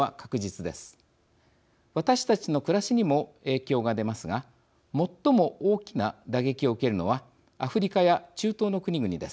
私たちの暮らしにも影響が出ますが最も大きな打撃を受けるのはアフリカや中東の国々です。